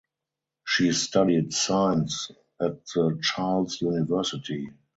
She studied science at the Charles University.